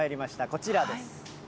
こちらです。